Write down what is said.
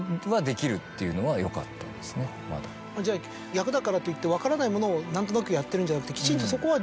じゃあ役だからといって分からないものを何となくやってるんじゃなくて。